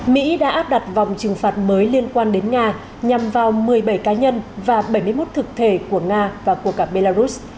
mỹ đã áp đặt vòng trừng phạt mới liên quan đến nga nhằm vào một mươi bảy cá nhân và bảy mươi một thực thể của nga và của cả belarus